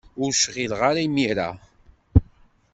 Ur cɣileɣ ara imir-a.